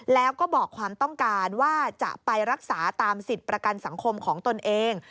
แล้วก็บอกความต้องการว่าจะไปรักษาตามสิทธิ์ประกันสังคมของตนเอง